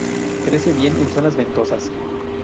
Crece bien en zonas ventosas.